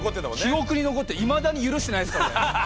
記憶に残っていまだに許してないですから俺。